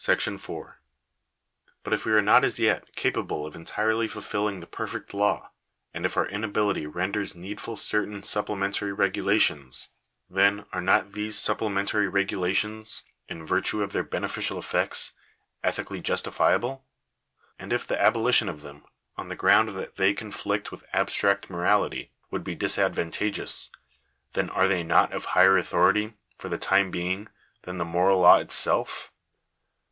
• But if we are not as yet capable of entirely fulfilling the perfect law, and if our inability renders needful certain supple Digitized by VjOOQIC CONCLUSION. 467 mentary regulations, then, are not these supplementary regula tions, in virtue of their beneficial effects, ethically justifiable ? and if the abolition of them, on the ground that they conflict with abstract morality, would be disadvantageous, then, are they not of higher authority, for the time being, than the moral law itself?